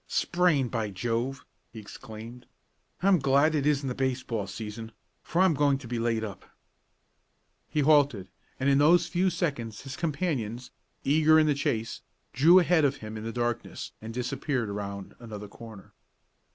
"Sprained, by Jove!" he exclaimed. "I'm glad it isn't the baseball season, for I'm going to be laid up." He halted, and in those few seconds his companions, eager in the chase, drew ahead of him in the darkness, and disappeared around another corner.